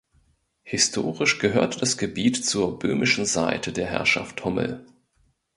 Historisch gehörte das Gebiet zur „böhmischen Seite“ der Herrschaft Hummel.